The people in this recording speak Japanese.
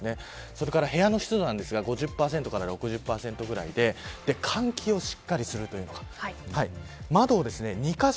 それから部屋の湿度は５０％から６０％ぐらいで寒気をしっかりするというのが窓を２カ所